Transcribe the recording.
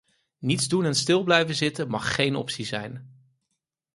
Niets doen en stil blijven zitten mag geen optie zijn.